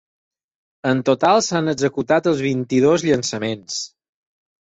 En total, s’han executat els vint-i-dos llançaments.